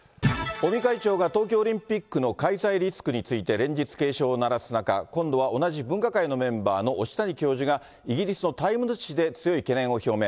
尾身会長が、東京オリンピックの開催リスクについて連日警鐘を鳴らす中、今度は同じ分科会のメンバーの押谷教授が、イギリスのタイムズ紙で強い懸念を表明。